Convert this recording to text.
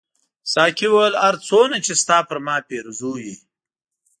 ساقي وویل هر څومره چې ستا پر ما پیرزو وې.